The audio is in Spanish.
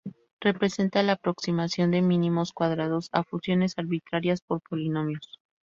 Representa la aproximación de mínimos cuadrados a funciones arbitrarias por polinomios.